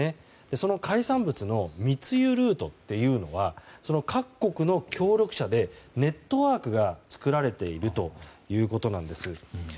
その海産物の密輸ルートというのは各国の協力者でネットワークが作られているということなんです。